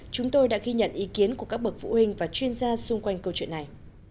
chúng tôi đã ghi nhận ý kiến của các bậc phụ huynh và chuyên gia xung quanh câu chuyện này